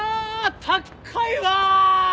高いわ！